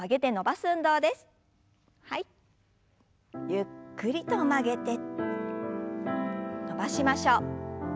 ゆっくりと曲げて伸ばしましょう。